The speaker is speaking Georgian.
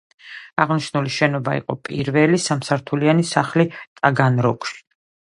აღნიშნული შენობა იყო პირველი სამსართულიანი სახლი ტაგანროგში.